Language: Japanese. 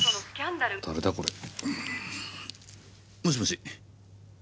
もしもし？